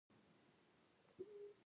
هند د لومړي شل اووريز جام اتل سو.